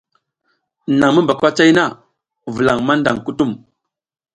Naƞ mi mba kwacay na, vulaƞ maƞdaƞ kutum.